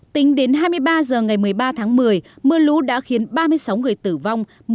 tính đến hai mươi ba h ngày một mươi ba tháng một mươi mưa lũ đã khiến ba mươi sáu người tử vong